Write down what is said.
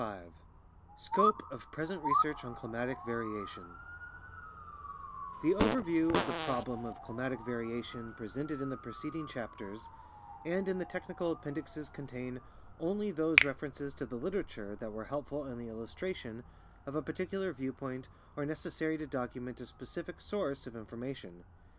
5 SCOPE OF PRESENT RESEARCH ON CLIMATIC VARIATION The overview of the problem of climatic variation presented in the preceding chapters and in the technical appendixes contains only those references to the literature that were helpful in the illustration of a particular viewpoint or necessary to document a specific source of in formation.